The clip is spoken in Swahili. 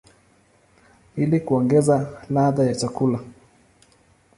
ili kuongeza ladha ya chakula.